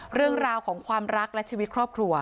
เรื่องราวของความรักและชีวิตครอบครัว